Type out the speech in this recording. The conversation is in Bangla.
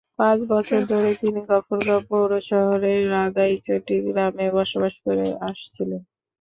পাঁচ বছর ধরে তিনি গফরগাঁও পৌর শহরের রাঘাইচটি গ্রামে বসবাস করে আসছিলেন।